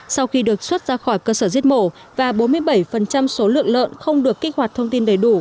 sau khi được xuất ra khỏi cơ sở giết mổ và bốn mươi bảy số lượng lợn không được kích hoạt thông tin đầy đủ